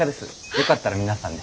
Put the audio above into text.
よかったら皆さんで。